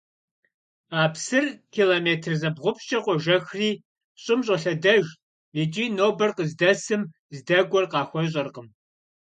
А псыр километр зыбгъупщӀкӀэ къожэхри, щӀым щӀолъэдэж икӏи нобэр къыздэсым здэкӀуэр къахуэщӀэркъым.